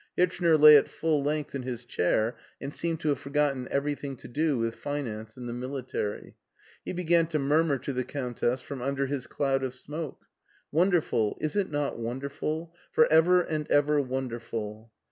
Hirchner lay at full length in his chair and seemed to have forgotten everything to do with finance and the military. He began to murmur to the Countess from under his cloud of smoke* " Wonderful, is it not wonderful, for ever and ever wonderful